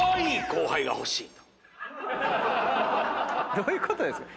どういうことですか？